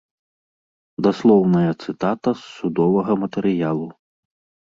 Даслоўная цытата з судовага матэрыялу.